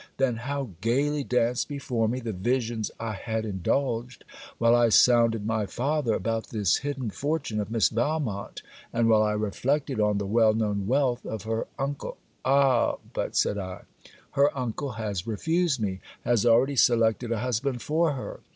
Then, how gaily danced before me the visions I had indulged while I sounded my father about this hidden fortune of Miss Valmont, and while I reflected on the well known wealth of her uncle. 'Ah but,' said I, 'her uncle has refused me, has already selected a husband for her!'